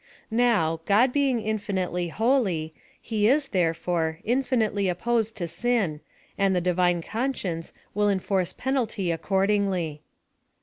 Now, God being infinitely holy, he is, there fore, infinitely opposed to sin, and the Divine con science will enforce penalty accordingly.